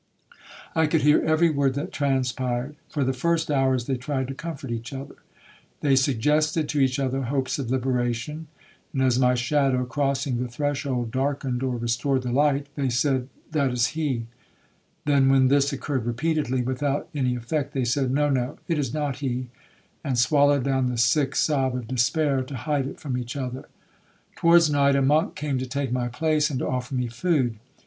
I could hear every word that transpired. For the first hours they tried to comfort each other,—they suggested to each other hopes of liberation,—and as my shadow, crossing the threshold, darkened or restored the light, they said, 'That is he;'—then, when this occurred repeatedly, without any effect, they said, 'No,—no, it is not he,' and swallowed down the sick sob of despair, to hide it from each other. Towards night a monk came to take my place, and to offer me food.